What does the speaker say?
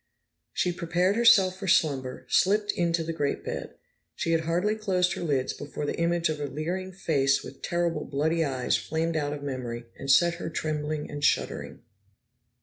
She prepared herself for slumber, slipped into the great bed. She had hardly closed her lids before the image of a leering face with terrible bloody eyes flamed out of memory and set her trembling and shuddering.